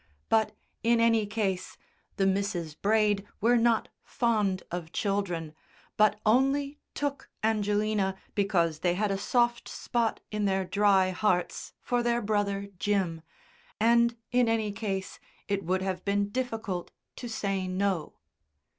But, in any case, the Misses Braid were not fond of children, but only took Angelina because they had a soft spot in their dry hearts for their brother Jim, and in any case it would have been difficult to say no.